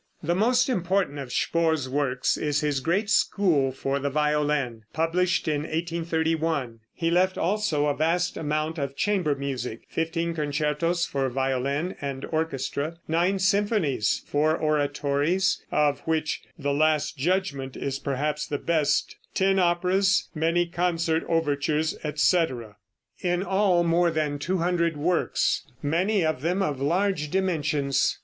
The most important of Spohr's works is his great school for the violin, published in 1831. He left also a vast amount of chamber music, fifteen concertos for violin and orchestra, nine symphonies, four oratories, of which "The Last Judgment" is perhaps the best, ten operas, many concert overtures, etc. in all more than 200 works, many of them of large dimensions.